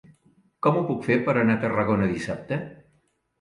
Com ho puc fer per anar a Tarragona dissabte?